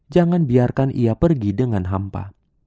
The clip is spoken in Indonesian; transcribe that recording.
jangan biarkan ia pergi dengan hampa